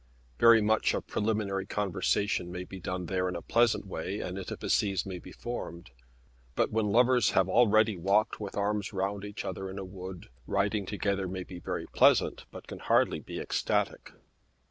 Very much of preliminary conversation may be done there in a pleasant way, and intimacies may be formed. But when lovers have already walked with arms round each other in a wood, riding together may be very pleasant but can hardly be ecstatic.